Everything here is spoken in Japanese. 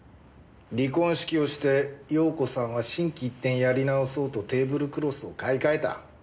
離婚式をして容子さんは心機一転やり直そうとテーブルクロスを買い替えた。